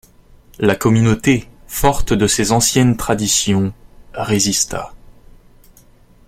La communauté, forte de ses anciennes traditions, résista.